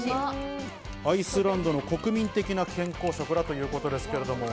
アイスランドの国民的な健康食だということです。